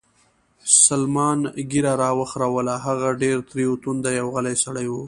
سلمان ږیره را وخروله، هغه ډېر تریو تندی او غلی سړی و.